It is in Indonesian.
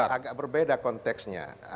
ini agak berbeda konteksnya